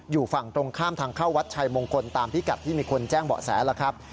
อยู่ฝั่งตรงข้ามทางเข้าวัดชัยมงคลตามพิกัดที่มีคนแจ้งเบาะแสแล้วครับ